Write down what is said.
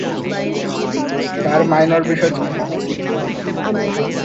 তার মাইনর বিষয় ছিল পদার্থবিদ্যা ও গণিত।